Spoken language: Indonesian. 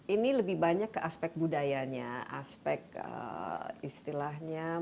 ini lebih banyak ke aspek budayanya aspek istilahnya